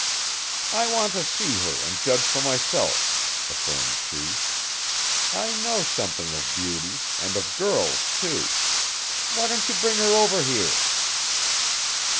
"I want to see her and judge for myself," affirmed she. "I know something of beauty and of girls, too. Why don't you bring her over here?"